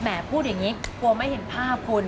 พูดอย่างนี้กลัวไม่เห็นภาพคุณ